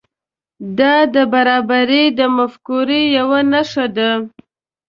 دا د برابري د مفکورې یو نښه ده.